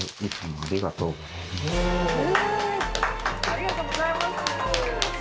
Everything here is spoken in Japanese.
ありがとうございます。